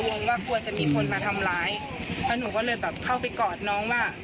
วงว่ากลัวจะมีคนมาทำร้ายมันน๋วก็เลยเข้าไปกอดน้องว่า